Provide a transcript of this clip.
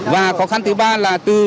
và khó khăn thứ ba là từ